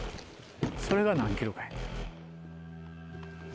それが何ｋｇかや。